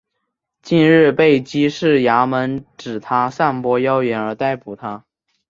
近日被缉事衙门指他散播妖言而逮捕他。